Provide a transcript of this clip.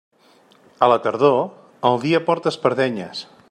A la tardor, el dia porta espardenyes.